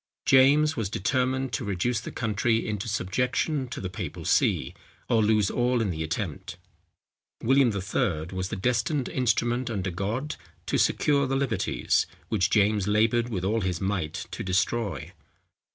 James was determined to reduce the country into subjection to the papal see, or lose all in the attempt. William III. was the destined instrument under God, to secure the liberties, which James laboured with all his might to destroy.